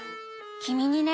きみにね